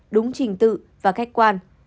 đúng trình tự và khách quan